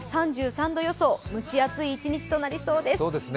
３３度予想、蒸し暑い一日となりそうです。